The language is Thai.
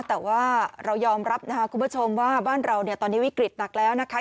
แต่ว่าเรายอมรับนะคะคุณผู้ชมว่าบ้านเราเนี่ยตอนนี้วิกฤตหนักแล้วนะคะ